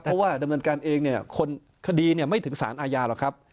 เพราะว่าดำเนินการเองเนี่ยคดีไม่ถึงสารอาญาหรอกครับ